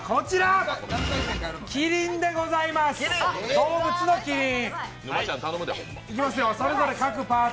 動物のキリン。